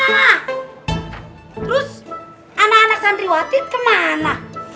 terus anak anak santriwati kemana